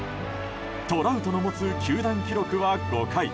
トラウトの持つ球団記録は５回。